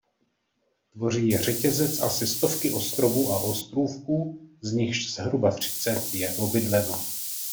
Tvoří je řetězec asi stovky ostrovů a ostrůvků z nichž zhruba třicet je obydleno.